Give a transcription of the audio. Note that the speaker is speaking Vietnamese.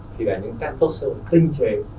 thì là những testosterone tinh chế